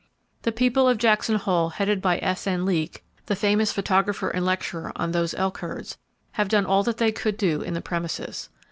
The people of Jackson Hole, headed by S.N. Leek, the famous photographer and lecturer on those elk herds, have done all that they could do in the premises.